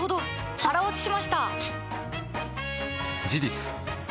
腹落ちしました！